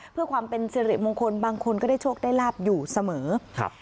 เพื่อความเป็นสิริมงคลบางคนก็ได้โชคได้ลาบอยู่เสมอครับ